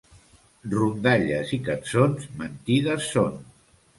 Rondalles i cançons mentides són.